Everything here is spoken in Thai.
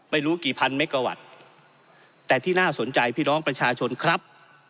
ไม่รู้กี่พันเมกะวัตต์แต่ที่น่าสนใจพี่น้องประชาชนครับ